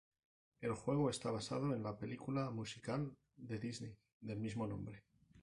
El juego está basado en la película musical de Disney del mismo nombre.